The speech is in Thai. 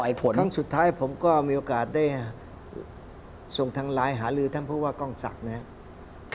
ผลครั้งสุดท้ายผมก็มีโอกาสได้ส่งทางไลน์หาลือท่านผู้ว่ากล้องศักดิ์นะครับ